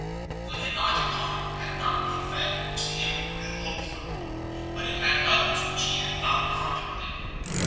The Henoticon had not the effect which the emperor had hoped from it, but it had others which he had not contemplated.